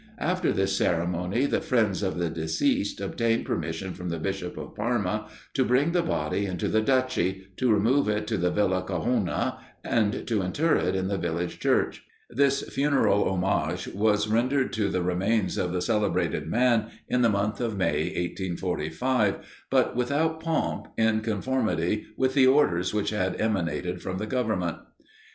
After this ceremony, the friends of the deceased obtained permission from the Bishop of Parma to bring the body into the Duchy, to remove it to the Villa Gajona, and to inter it in the village church. This funeral homage was rendered to the remains of the celebrated man, in the month of May, 1845, but without pomp, in conformity with the orders which had emanated from the Government.